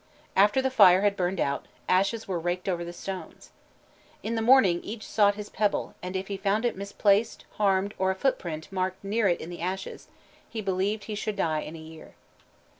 After the fire had burned out, ashes were raked over the stones. In the morning each sought his pebble, and if he found it misplaced, harmed, or a footprint marked near it in the ashes, he believed he should die in a year.